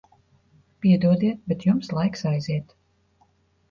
Piedodiet, bet jums laiks aiziet.